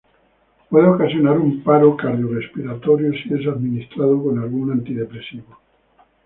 Puede ocasionar un paro cardiorrespiratorio si es administrado con algún antidepresivo.